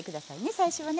最初はね。